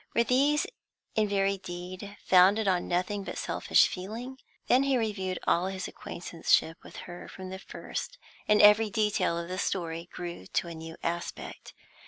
Were these in very deed founded on nothing but selfish feeling? Then he reviewed all his acquaintanceship with her from the first, and every detail of the story grew to a new aspect.